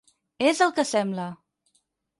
És el que sembla.